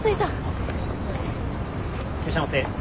いらっしゃいませ。